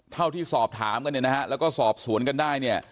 เท่าที่สอบถามกันเนี่ยนะฮะแล้วก็สอบสวนกันได้เนี่ย